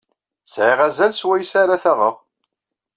Sɛiɣ azal swayes ara t-aɣeɣ.